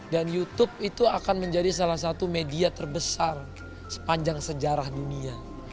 dan youtube itu akan menjadi salah satu media terbesar sepanjang sejarah dunia